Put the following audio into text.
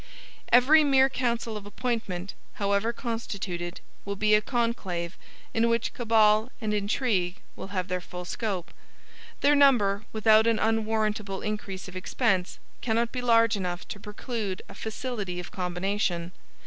Every mere council of appointment, however constituted, will be a conclave, in which cabal and intrigue will have their full scope. Their number, without an unwarrantable increase of expense, cannot be large enough to preclude a facility of combination.